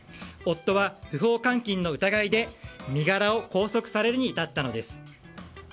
夫は不法監禁の疑いで身柄を拘束されるに至ったのです。